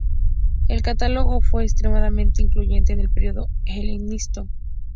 El "Catálogo" fue extremadamente influyente en el periodo helenístico.